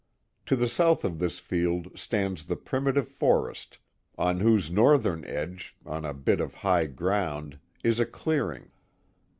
To the south of this field stands the primitive forest, on whose northern edge, on a bit of high ground, is a clearing.